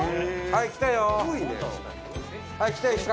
はい、来たよ、光。